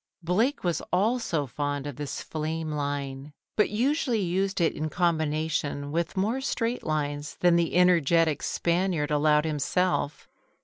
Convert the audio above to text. Blake was also fond of this flame line, but usually used it in combination with more straight lines than the energetic Spaniard allowed himself.